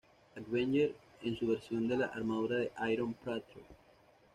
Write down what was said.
Avengers en su versión de la armadura Iron Patriot.